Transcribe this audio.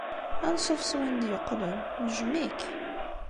Anṣuf s win d-yeqqlen. Nejjem-ik.